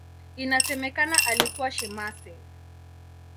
Inasemekana alikuwa shemasi.